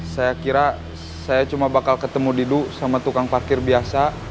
saya kira saya cuma bakal ketemu didu sama tukang parkir biasa